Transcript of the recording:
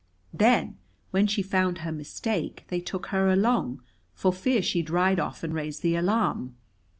"Then, when she found her mistake, they took her along, for fear she'd ride off and raise the alarm.